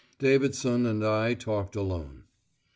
Davidson and I talked alone.